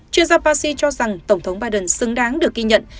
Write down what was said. chuyên gia paci cho rằng tổng thống biden xứng đáng được ghi nhận